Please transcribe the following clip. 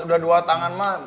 udah dua tangan mak